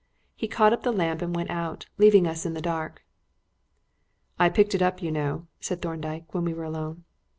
He caught up the lamp and went out, leaving us in the dark. "I picked it up, you know," said Thorndyke, when we were alone.